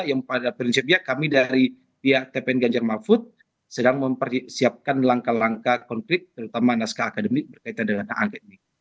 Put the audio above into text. yang pada prinsipnya kami dari pihak tpn ganjar mahfud sedang mempersiapkan langkah langkah konkret terutama naskah akademik berkaitan dengan hak angket